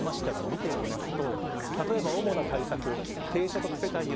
見てみますと。